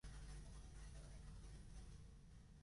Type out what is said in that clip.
Cada dia Espanya fa nous republicans, diu convençut.